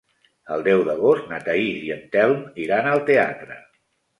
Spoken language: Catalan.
El deu d'agost na Thaís i en Telm iran al teatre.